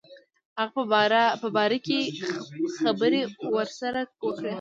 هغه په باره کې خبري ورسره وکړي.